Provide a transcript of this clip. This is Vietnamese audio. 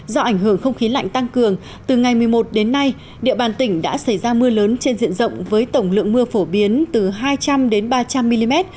do ảnh hưởng không khí lạnh tăng cường từ ngày một mươi một đến nay địa bàn tỉnh đã xảy ra mưa lớn trên diện rộng với tổng lượng mưa phổ biến từ hai trăm linh đến ba trăm linh mm